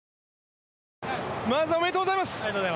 まず、おめでとうございます！